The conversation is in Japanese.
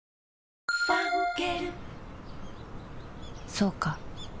そうか